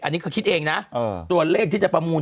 อันนี้คือคิดเองนะตัวเลขที่จะประมูล